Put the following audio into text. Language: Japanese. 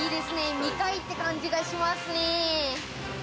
未開って感じがしますね。